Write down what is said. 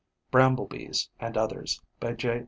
"Bramble bees and Others", by J.